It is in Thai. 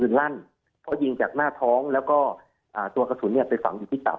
ลึงลั่นก็ยิงจากหน้าท้องแล้วก็ตัวกระสุนไปฝังที่ที่ตับ